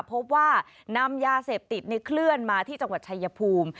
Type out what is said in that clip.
พบว่านำยาเสพติดในเคลื่อนมาที่จังหวัดชายภูมิ